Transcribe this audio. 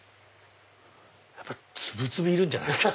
粒々いるんじゃないですか？